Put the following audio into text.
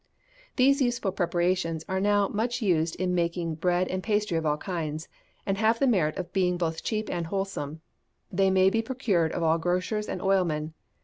These useful preparations are now much used in making bread and pastry of all kinds, and have the merit of being both cheap and wholesome. They may be procured of all grocers and oilmen.